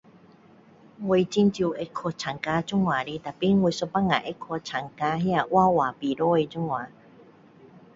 我很少会去参加这种的。可是，我有时候会去参加那画画比赛，这样。